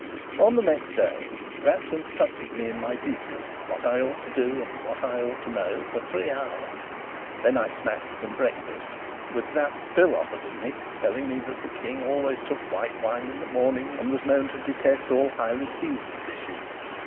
On the next day, Sapt instructed me in my duties what I ought to do and what I ought to know for three hours; then I snatched breakfast, with Sapt still opposite me, telling me that the King always took white wine in the morning and was known to detest all highly seasoned dishes.